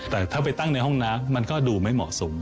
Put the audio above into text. แต่ถ้าไปตั้งในห้องน้ำมันก็ดูไม่เหมาะสม